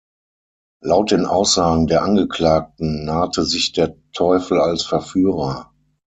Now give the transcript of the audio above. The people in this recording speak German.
Laut den Aussagen der Angeklagten nahte sich der Teufel als Verführer.